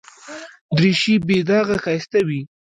دریشي بې داغه ښایسته وي.